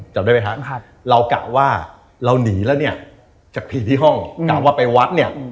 จำได้ไหมครับเรากะว่าเราหนีแล้วเนี่ยจากผีที่ห้องกะว่าไปวัดเนี่ย